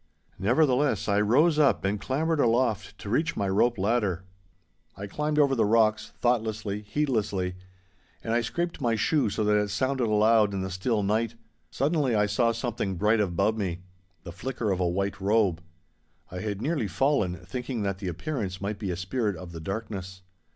Nevertheless, I rose up and clambered aloft to reach my rope ladder. I climbed over the rocks, thoughtlessly, heedlessly, and I scraped my shoe so that it sounded loud in the still night. Suddenly I saw something bright above me, the flicker of a white robe. I had nearly fallen, thinking that the appearance might be a spirit of the darkness.